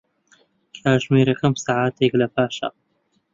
کاتژمێرەکەم سەعاتێک لەپاشە.